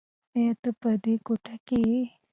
ایا ته په دې کوټه کې یې؟